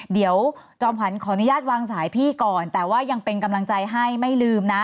เดี๋ยวจอมขวัญขออนุญาตวางสายพี่ก่อนแต่ว่ายังเป็นกำลังใจให้ไม่ลืมนะ